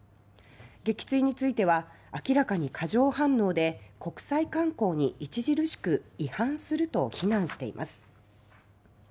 撃墜については明らかに過剰反応で国際慣行に著しく違反すると非難しています。